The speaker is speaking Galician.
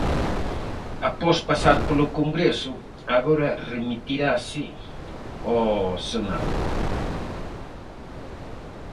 Após pasar polo Congreso, agora remitirase ao Senado.